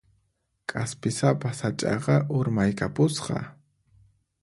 K'aspisapa sach'aqa urmaykapusqa.